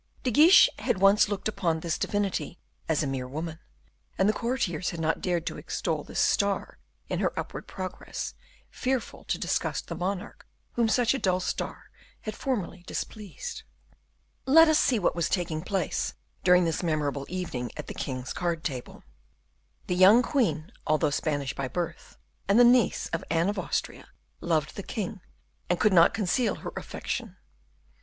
De Guiche had once looked upon this divinity as a mere woman; and the courtiers had not dared to extol this star in her upward progress, fearful to disgust the monarch whom such a dull star had formerly displeased. Let us see what was taking place during this memorable evening at the king's card table. The young queen, although Spanish by birth, and the niece of Anne of Austria, loved the king, and could not conceal her affection.